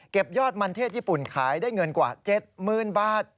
ยอดมันเทศญี่ปุ่นขายได้เงินกว่า๗๐๐๐บาท